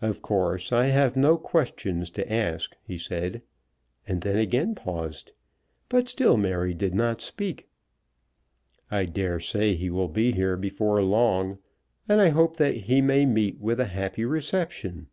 "Of course I have no questions to ask," he said, and then again paused. But still Mary did not speak. "I dare say he will be here before long, and I hope that he may meet with a happy reception.